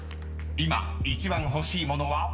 今一番欲しい物は？］